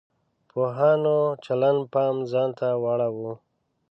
پوهانو چلند پام ځان ته واړاوه.